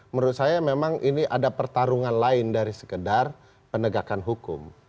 menurut saya memang ini ada pertarungan lain dari sekedar penegakan hukum